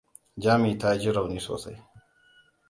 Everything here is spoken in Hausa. Jami ta ji rauni sosai.